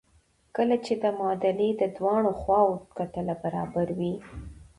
کله چې د معادلې د دواړو خواوو کتله برابره وي.